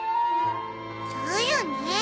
そうよね。